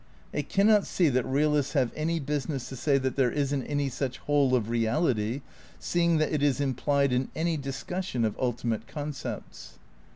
I cannot see that realists have any business to say that there isn't any such whole of reality, seeing that it is implied in any discussion of ultimate concepts.